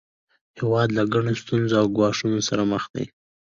هیواد له ګڼو ستونزو او ګواښونو سره مخ دی